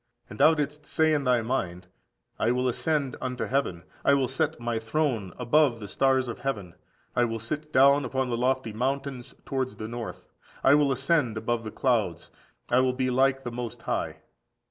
And thou didst say in thy mind, I will ascend into heaven, I will set my throne above the stars of heaven: I will sit down upon the lofty mountains towards the north: I will 208ascend above the clouds: I will be like the Most High.